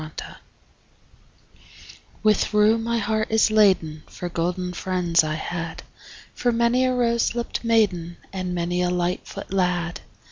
LIV With rue my heart is laden For golden friends I had, For many a rose lipt maiden And many a lightfoot lad.